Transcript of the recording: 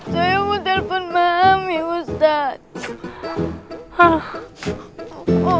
saya mau telepon mami ustadz